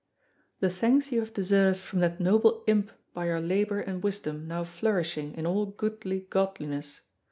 the thanks you have deserved from that noble imp by your labour and wisdom now flourishing in all goodly godliness....